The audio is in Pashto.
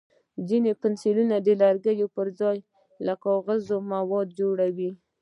ځینې پنسلونه د لرګیو پر ځای له کاغذي موادو جوړ وي.